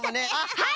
はい！